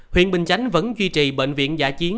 huyện bình chánh vẫn duy trì bệnh viện giả chiến